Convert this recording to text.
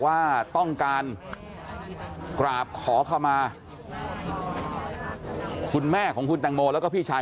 ว่าต้องการกราบขอเข้ามาคุณแม่ของคุณแตงโมแล้วก็พี่ชาย